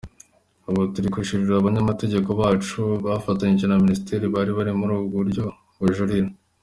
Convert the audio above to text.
Ubu turi kujurira, abanyamategeko bacu bafatanyije na Minisiteri bari muri ubwo buryo bwo kujurira.